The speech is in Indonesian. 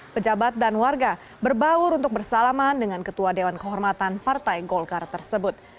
pejabat dan warga berbaur untuk bersalaman dengan ketua dewan kehormatan partai golkar tersebut